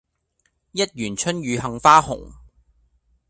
一園春雨杏花紅